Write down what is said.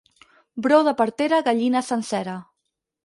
Brou de partera, gallina sencera.